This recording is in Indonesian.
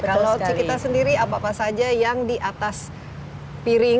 kalau kita sendiri apa apa saja yang di atas piring